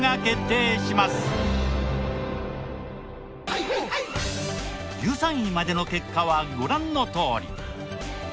いよいよ今夜１３位までの結果はご覧のとおり。